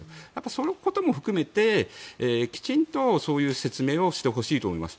そういうことも含めて、きちんと説明してほしいと思います。